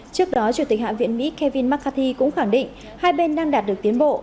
trước đó chủ tịch hạ viện mỹ kevin mccarthy cũng khẳng định hai bên đang đạt được tiến bộ